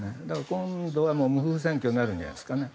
今度は無風選挙になるんじゃないですかね。